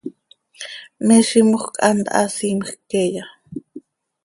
¿Me zímjöc hant haa siimjc queeya?